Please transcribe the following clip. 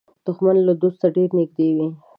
دښمن له دوسته ډېر نږدې وي